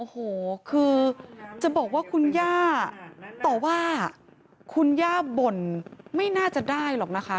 เพราะว่าคุณย่าต่อว่าคุณย่าบ่นไม่น่าจะได้หรอกนะคะ